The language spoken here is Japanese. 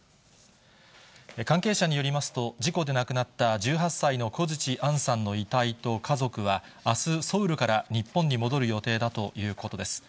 関係者によりますと、事故で亡くなった１８歳の小槌杏さんの遺体と家族は、あすソウルから日本に戻る予定だということです。